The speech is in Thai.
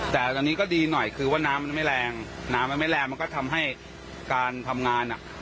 แต่ตอนนี้ก็ดีหน่อยคือว่าน้ำมันไม่แรงน้ำมันไม่แรงมันก็ทำให้การทำงานอ่ะ